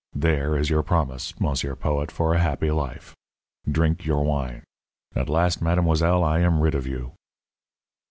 There is your promise, monsieur poet, for a happy life. Drink your wine. At last, mademoiselle, I am rid of you."